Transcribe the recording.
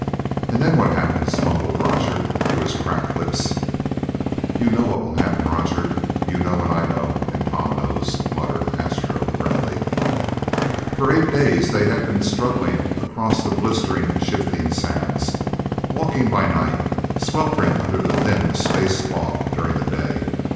"And then what happens?" mumbled Roger through his cracked lips. "You know what will happen, Roger you know and I know and Tom knows," muttered Astro grimly. For eight days they had been struggling across the blistering shifting sands, walking by night, sweltering under the thin space cloth during the day.